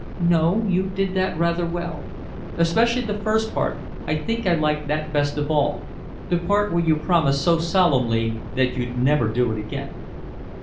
"No, you did that rather well. Especially the first part I think I liked that best of all the part where you promised so solemnly that you'd never do it again."